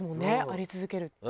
あり続ける。